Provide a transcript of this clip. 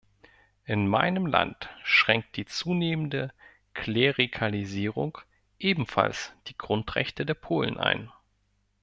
In meinem Land schränkt die zunehmende Klerikalisierung ebenfalls die Grundrechte der Polen ein.